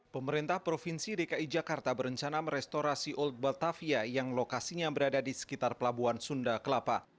pemerintah provinsi dki jakarta berencana merestorasi old batavia yang lokasinya berada di sekitar pelabuhan sunda kelapa